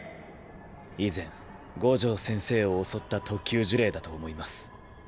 以前五条先生を襲った特級呪霊だと思います。